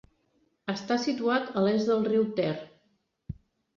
Està situat a l'est del riu Ter.